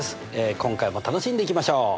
今回も楽しんでいきましょう！